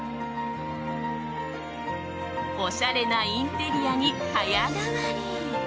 おしゃれなインテリアに早変わり。